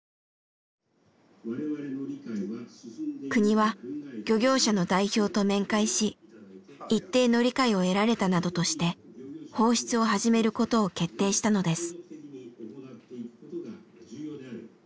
国は漁業者の代表と面会し一定の理解を得られたなどとして放出を始めることを決定したのです。